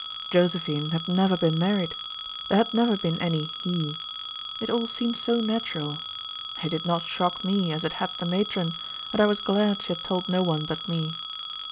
Josephine had never been married. There had never been any "He." It all seemed so natural. It did not shock me, as it had the Matron, and I was glad she had told no one but me.